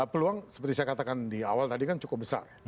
peluang seperti saya katakan di awal tadi kan cukup besar